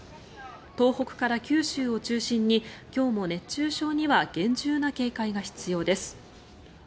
東北から九州を中心に今日も熱中症には厳重な警戒が必要です。